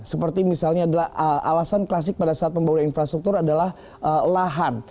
seperti misalnya adalah alasan klasik pada saat pembangunan infrastruktur adalah lahan